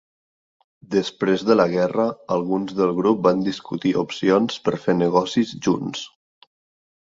Després de la guerra, alguns del grup van discutir opcions per fer negocis junts.